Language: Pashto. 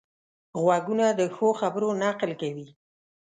غوږونه د ښو خبرو نقل کوي